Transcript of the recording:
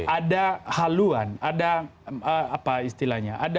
ada haluan ada apa istilahnya